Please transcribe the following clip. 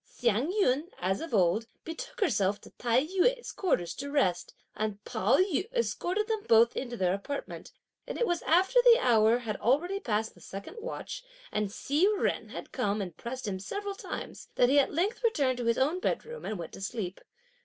Hsiang yün, as of old, betook herself to Tai yü's quarters to rest, and Pao yü escorted them both into their apartment, and it was after the hour had already past the second watch, and Hsi Jen had come and pressed him several times, that he at length returned to his own bedroom and went to sleep.